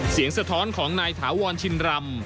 เสียงสะท้อนของนายถาววลชินรำ